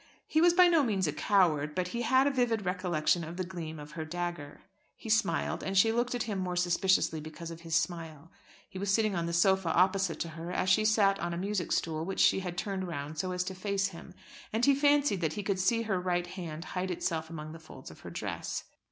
He was by no means a coward, but he had a vivid recollection of the gleam of her dagger. He smiled, and she looked at him more suspiciously because of his smile. He was sitting on a sofa opposite to her as she sat on a music stool which she had turned round, so as to face him, and he fancied that he could see her right hand hide itself among the folds of her dress.